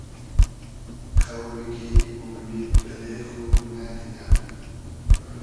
قۆمی کی اومید بئلې خو نئدیرۂ